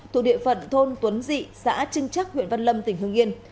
thuộc địa phận thôn tuấn dị xã trưng chắc huyện văn lâm tỉnh hương yên